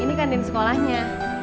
ini kantin sekolahnya